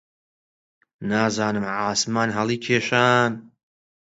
نازانم عاسمان هەڵیکێشان؟